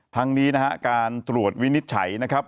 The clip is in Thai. ทั้งนี้นะฮะการตรวจวินิจฉัยนะครับ